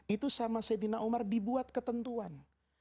itu sama sayyidina umar dibuat ketentuan